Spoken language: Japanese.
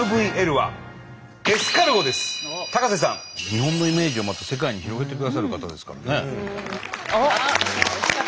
日本のイメージをまた世界に広げてくださる方ですからね。